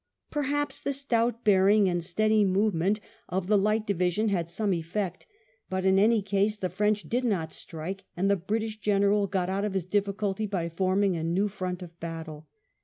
Perhaps the stout bearing and steady movement of the VII BRENIEI^S EXPLOIT 151 Light Division had some effect; but, in any case, the French did not strike, and the British General got out of his difficulty by forming a new front of battle.